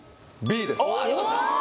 Ｂです